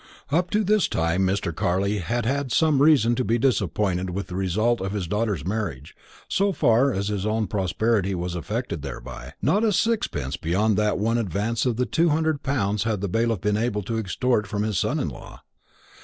Up to this time Mr. Carley had had some reason to be disappointed with the result of his daughter's marriage, so far as his own prosperity was affected thereby. Not a sixpence beyond that one advance of the two hundred pounds had the bailiff been able to extort from his son in law.